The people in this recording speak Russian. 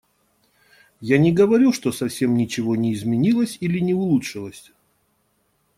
Я не говорю, что совсем ничего не изменилось или не улучшилось.